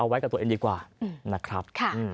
ไว้กับตัวเองดีกว่านะครับ